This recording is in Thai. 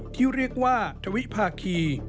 ที่เรียกว่าทวิภาคี